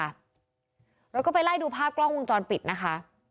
เราก็ไปไล่ดูภาพกล้องวงจรปิดนะคะ